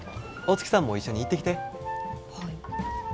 大月さんも一緒に行ってきて。